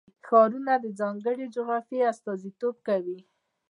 ښارونه د ځانګړې جغرافیې استازیتوب کوي.